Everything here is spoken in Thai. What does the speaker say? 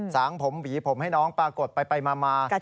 สางผมหวีผมให้น้องปรากฏไปมา